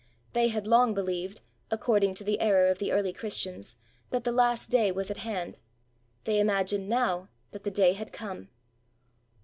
They had long believed, according to the error of the early Christians, that the Last Day was at hand; they imagined now that the Day had come.